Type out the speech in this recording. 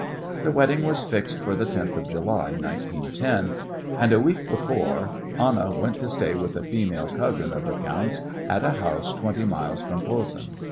The wedding was fixed for the tenth of July, 1910, and a week before Anna went to stay with a female cousin of the count's at a house twenty miles from Posen.